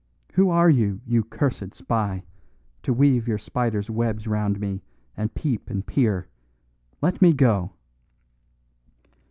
"Who are you, you cursed spy, to weave your spiders' webs round me, and peep and peer? Let me go."